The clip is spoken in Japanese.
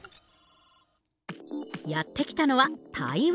やって来たのは台湾。